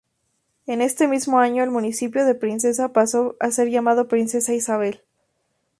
En este mismo año, el municipio de Princesa pasó a ser llamado Princesa Isabel.